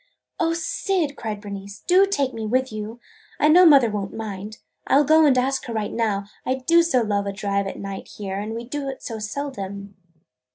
"O Syd!" cried Bernice, "do take me with you! I know mother won't mind. I 'll go and ask her right now. I do so love to drive at night here, and we do it so seldom!"